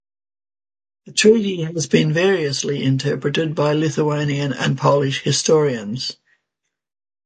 The treaty has been variously interpreted by Lithuanian and Polish historians.